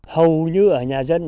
hầu như ở nhà dân